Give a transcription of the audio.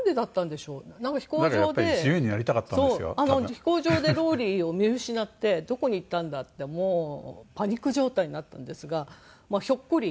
飛行場でローリーを見失ってどこに行ったんだってもうパニック状態になったんですがひょっこり。